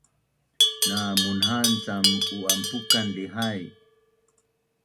Namunha’an cam u’anpukan lihai